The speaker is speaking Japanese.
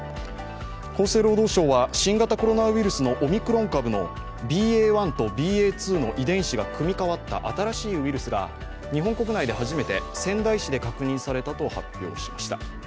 厚生労働省は新型コロナウイルスのオミクロン株のＢＡ．１とＢＡ．２の遺伝子が組み換わった新しいウイルスが日本国内で初めて仙台市で確認されたと発表しました。